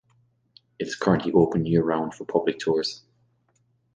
It is currently open year-round for public tours.